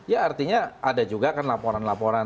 ya artinya ada juga kan laporan laporan